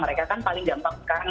mereka kan paling gampang sekarang